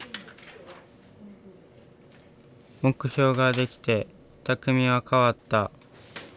目標ができてたくみは変わった。